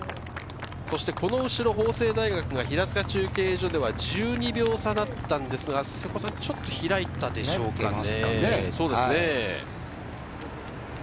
そしてこの後ろ、法政大学が平塚中継所では１２秒差だったんですが、ちょっと開いたでしょうか？